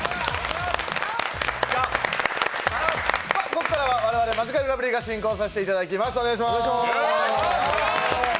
ここからは我々マヂカルラブリーが進行させていただきます。